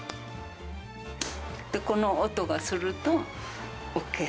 この音がすると、ＯＫ。